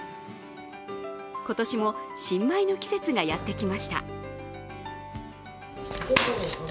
今年も新米の季節がやってきました。